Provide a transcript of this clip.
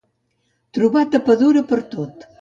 Trobar tapadora per a tot.